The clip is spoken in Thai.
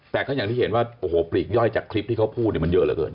แต่ก็อย่างที่เห็นว่าโอ้โหปลีกย่อยจากคลิปที่เขาพูดมันเยอะเหลือเกิน